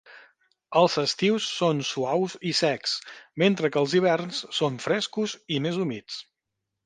Els estius són suaus i secs, mentre que els hiverns són frescos i més humits.